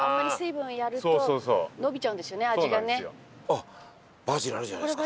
あっバジルあるじゃないですか。